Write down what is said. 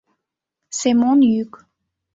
Семон йӱк.